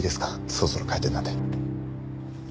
そろそろ開店なんで。